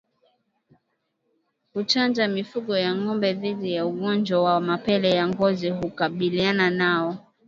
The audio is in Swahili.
Kuchanja mifugo ya ngombe dhidi ya ugonjwa wa mapele ya ngozi hukabiliana nao